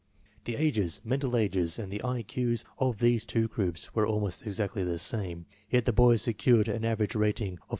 The ages, mental ages, and the I Q's of these two groups were almost exactly the same, yet the boys secured an average rating of 3.